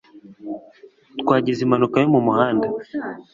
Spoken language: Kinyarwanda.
twagize impanuka yo mu muhanda